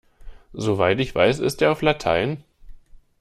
Soweit ich weiß, ist er auf Latein.